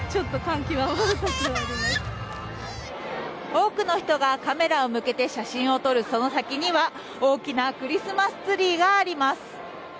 多くの人がカメラを向けて写真を撮るその先には大きなクリスマスツリーがあります。